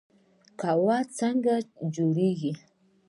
قهوه څنګه جوړیږي؟